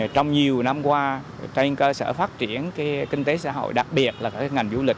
trong nhiều năm qua trên cơ sở phát triển kinh tế xã hội đặc biệt là các ngành du lịch